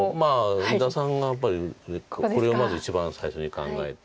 伊田さんがやっぱりこれをまず一番最初に考えて。